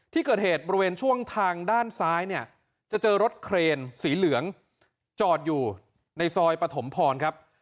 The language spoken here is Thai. ที่เกิดเหตุบริเวณช่วงทางด้านซ้ายเนี่ยจะเจอรถเครนสีเหลืองจอดอยู่ในซอยปฐมพรครับ